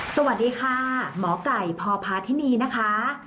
สวัสดีค่ะหมอไก่พพาธินีนะคะ